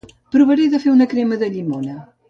Provaré de fer una crema de llimona